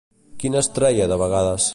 Quin es treia de vegades?